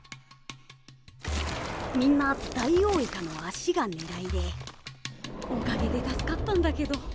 みんなダイオウイカの足が狙いでおかげで助かったんだけど。